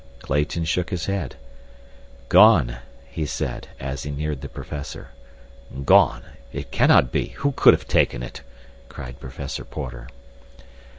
Clayton shook his head. "Gone," he said, as he neared the professor. "Gone! It cannot be. Who could have taken it?" cried Professor Porter.